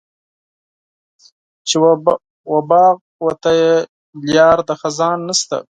چې و باغ وته یې لار د خزان نشته.